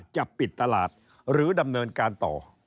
จะปิดตลาดหรือดำเนินการต่อ